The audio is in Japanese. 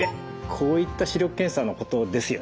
こういった視力検査のことですよね？